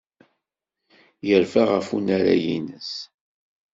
Yerfa ɣef unarag-nnes.